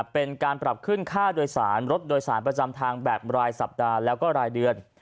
เป็นการปรับขึ้นค่าโดยสารรถโดยสารประจำทางแบบรายสัปดาห์แล้วก็รายเดือน